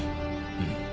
うん。